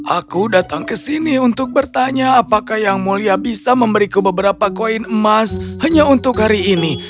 aku datang ke sini untuk bertanya apakah yang mulia bisa memberiku beberapa koin emas hanya untuk hari ini